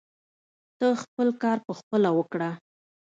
ته خپل کار پخپله وکړه.